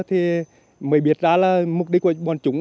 thì mới biết ra là mục đích của bọn chúng